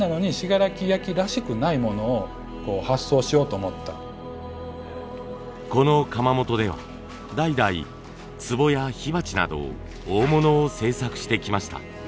思ったのがこの窯元では代々つぼや火鉢など大物を制作してきました。